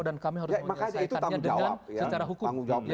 dan kami harus menyelesaikannya dengan secara hukum